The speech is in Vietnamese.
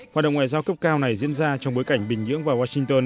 hoạt động ngoại giao cấp cao này diễn ra trong bối cảnh bình nhưỡng và washington